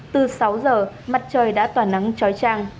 từ sáu giờ mặt trời đã tỏa nắng trói trang